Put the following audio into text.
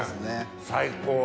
最高！